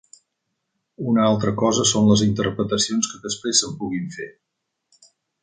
Una altra cosa són les interpretacions que després se'n puguin fer.